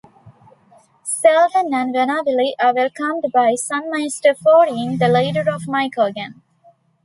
Seldon and Venabili are welcomed by Sunmaster Fourteen, the leader of Mycogen.